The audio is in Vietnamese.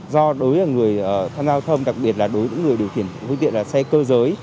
do đối với người tham gia giao thông đặc biệt là đối với người điều khiển phương tiện là xe cơ giới